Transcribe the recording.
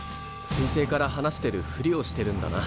彗星から話してるフリをしてるんだな。